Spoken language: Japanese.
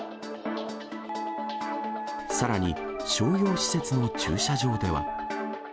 さらに、商業施設の駐車場では。